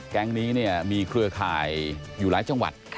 แก๊งนี้มีเครือข่ายอยู่หลายจังหวัด